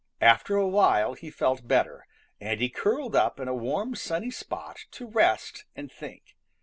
After a while he felt better, and he curled up in a warm sunny spot to rest and think.